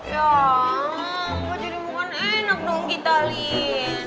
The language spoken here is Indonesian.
ya kok jadi bukan enak dong kita lin